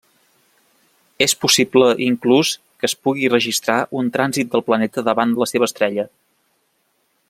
És possible inclús que es pugui registrar un trànsit del planeta davant la seva estrella.